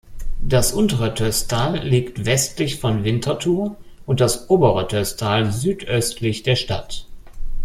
Das untere Tösstal liegt westlich von Winterthur und das obere Tösstal südöstlich der Stadt.